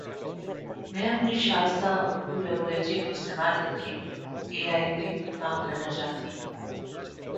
The next step involves cleaning, sorting, shredding, and compression.